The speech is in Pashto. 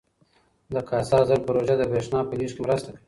د کاسا زر پروژه د برښنا په لیږد کې مرسته کوي.